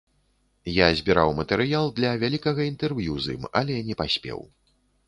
Я збіраў матэрыял для вялікага інтэрв'ю з ім, але не паспеў.